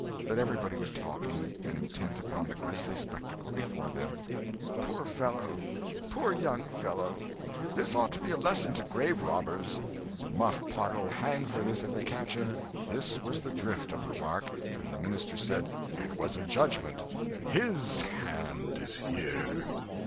But everybody was talking, and intent upon the grisly spectacle before them. "Poor fellow!" "Poor young fellow!" "This ought to be a lesson to grave robbers!" "Muff Potter'll hang for this if they catch him!" This was the drift of remark; and the minister said, "It was a judgment; His hand is here."